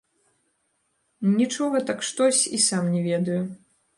Нічога, так штось, і сам не ведаю.